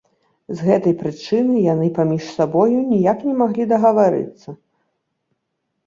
З гэтай прычыны яны паміж сабою ніяк не маглі дагаварыцца.